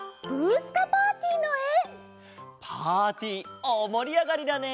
パーティーおおもりあがりだね！